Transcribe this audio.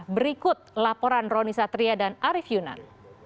berikut laporan roni satria dan arief yunan